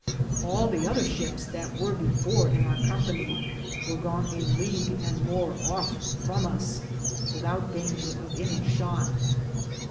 All the other ships that weare before in our Companye weare gone a league and more of from us, without dainger of any shott.